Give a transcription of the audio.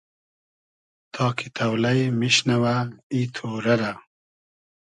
تا کی تۆلݷ میشنئوۂ ای تۉرۂ رۂ